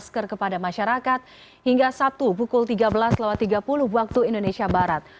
masker kepada masyarakat hingga sabtu pukul tiga belas tiga puluh waktu indonesia barat